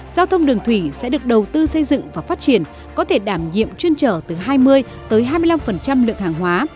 giao thông đường thủy sẽ được đầu tư xây dựng và phát triển có thể đảm nhiệm chuyên trở từ hai mươi tới hai mươi năm lượng hàng hóa